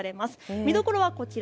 見どころはこちら。